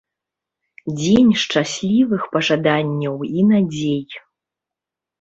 Дзень шчаслівых пажаданняў і надзей.